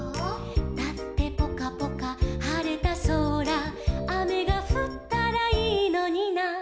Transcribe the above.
「だってぽかぽかはれたそら」「あめがふったらいいのにな」